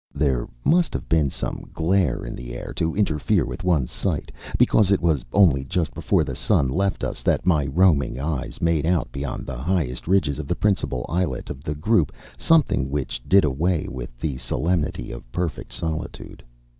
There must have been some glare in the air to interfere with one's sight, because it was only just before the sun left us that my roaming eyes made out beyond the highest ridges of the principal islet of the group something which did away with the solemnity of perfect solitude.